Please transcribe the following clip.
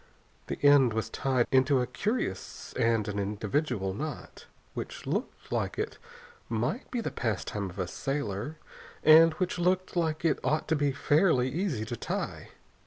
The end was tied into a curious and an individual knot, which looked like it might be the pastime of a sailor, and which looked like it ought to be fairly easy to tie.